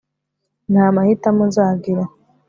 nta mahitamo nzagira